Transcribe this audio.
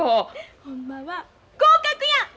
ほんまは合格や！